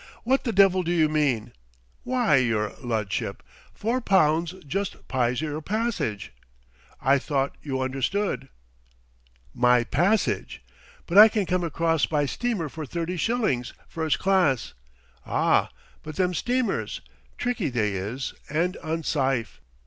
"What the devil do you mean " "W'y, yer ludship, four pounds jus pyes yer passyge; I thought you understood." "My passage! But I can come across by steamer for thirty shillings, first class " "Aw, but them steamers! Tricky, they is, and unsyfe